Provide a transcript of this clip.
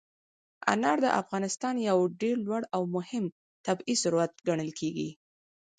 انار د افغانستان یو ډېر لوی او مهم طبعي ثروت ګڼل کېږي.